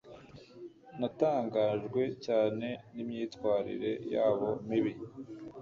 Natangajwe cyane n'imyitwarire yabo mibi.